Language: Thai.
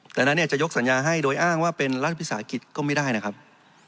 ดังนั้นจะยกสัญญาให้โดยอ้างว่าเป็นรัฐวิสาหกิจก็ไม่ได้นะครับ